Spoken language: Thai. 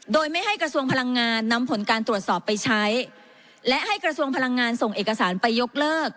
โดยไม่ให้กระทรวงพลังงานนำผลการตรวจสอบไปใช้และให้กระทรวงพลังงานส่งเอกสารไปยกเลิก